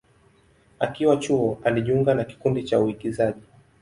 Akiwa chuo, alijiunga na kikundi cha uigizaji.